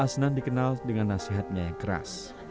asnan dikenal dengan nasihatnya yang keras